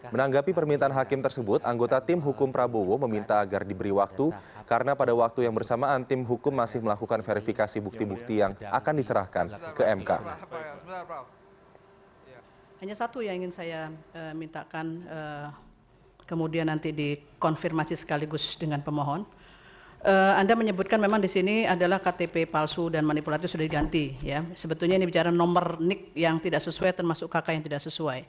menanggapi permintaan hakim tersebut anggota tim hukum prabowo meminta agar diberi waktu karena pada waktu yang bersamaan tim hukum masih melakukan verifikasi bukti bukti yang akan diserahkan ke mk